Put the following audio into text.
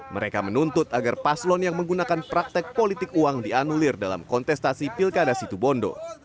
mereka menuntut agar paslon yang menggunakan praktek politik uang dianulir dalam kontestasi pilkada situbondo